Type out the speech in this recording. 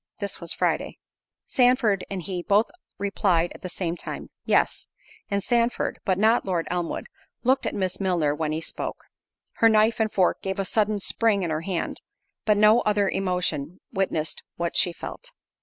This was Friday. Sandford and he both replied at the same time, "Yes." And Sandford, but not Lord Elmwood, looked at Miss Milner when he spoke. Her knife and fork gave a sudden spring in her hand, but no other emotion witnessed what she felt.